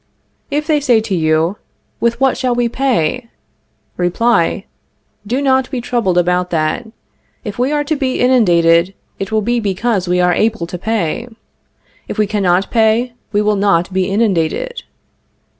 If they say to you: With what shall we pay? Reply: Do not be troubled about that. If we are to be inundated, it will be because we are able to pay. If we cannot pay we will not be inundated.